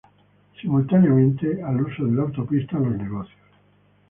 Simultáneamente, al uso de la autopista en los negocios.